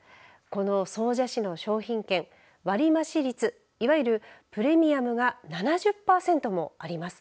この総社市の商品券割増率、いわゆるプレミアムが７０パーセントもあります。